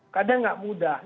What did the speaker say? kadang tidak mudah